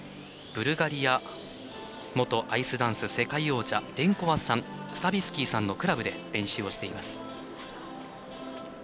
ブルガリア元アイスダンス代表のデンコワさんとスタビスキーさんのクラブで練習しています。